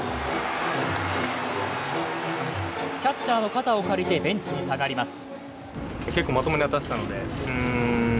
キャッチャーの肩を借りてベンチに下がります。